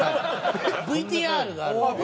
ＶＴＲがあるんで。